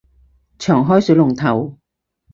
長開水龍頭